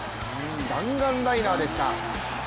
弾丸ライナーでした。